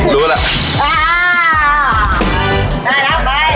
หมด๑เพราะคนเดียว